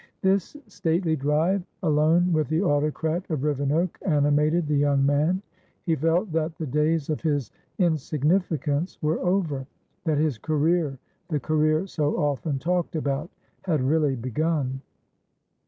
This stately drive, alone with the autocrat of Rivenoak, animated the young man. He felt that the days of his insignificance were over, that his careerthe career so often talked abouthad really begun.